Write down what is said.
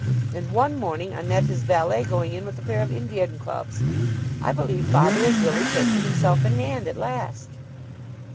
And one morning I met his valet going in with a pair of Indian clubs. I believe father is really taking himself in hand at last."